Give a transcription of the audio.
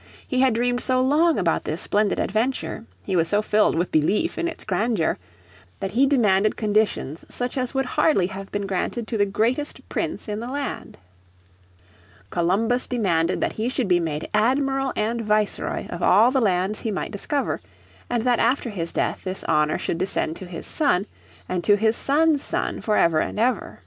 He had dreamed so long about this splendid adventure, he was so filled with belief in its grandeur, that he demanded conditions such as would hardly have been granted to the greatest prince in the land. Columbus demanded that he should be made admiral and viceroy of all the lands he might discover, and that after his death this honour should descend to his son and to his son's son for ever and ever.